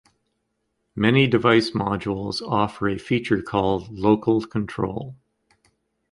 Many device modules offer a feature called "local control".